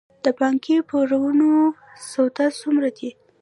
د بانکي پورونو سود څومره دی؟